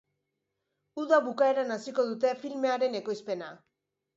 Uda bukaeran hasiko dute filmearen ekoizpena.